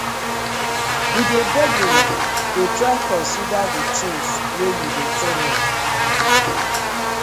We dey beg una to try consider the tinz wey we dey tell una.